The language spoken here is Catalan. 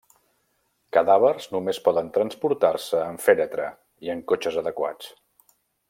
Cadàvers només poden transportar-se en fèretre i en cotxes adequats.